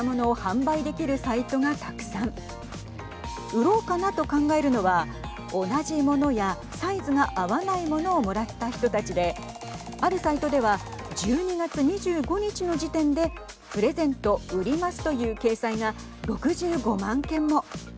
売ろうかなと考えるのは同じ物やサイズが合わない物をもらった人たちであるサイトでは１２月２５日の時点でプレゼント売りますという掲載が６５万件も。